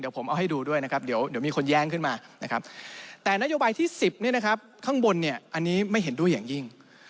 ผมเอาให้ดูด้วยนะครับเดี๋ยวมีคนแย้งขึ้นมานะครับแต่นโยบายที่๑๐เนี่ยนะครับข้างบนเนี่ยอันนี้ไม่เห็นด้วยอย่างยิ่ง